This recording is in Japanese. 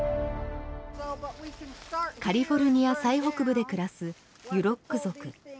カリフォルニア最北部で暮らすユロック族。